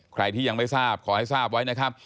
ใครที่ยังไม่ทราบขอให้ทราบไว้นะครับ